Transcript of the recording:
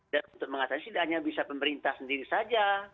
dan untuk mengatasi ini hanya bisa pemerintah sendiri saja